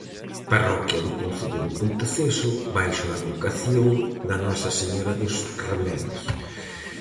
Parroquia do concello de Ponteceso baixo a advocación da Nosa Señora dos Remedios.